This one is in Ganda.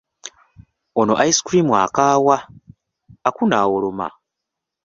Ono ice cream akaawa, Aku n'awoloma.